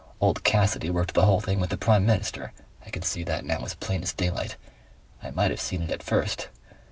Old Cassidy worked the whole thing with the prime minister. I can see that now as plain as daylight. I might have seen it at first....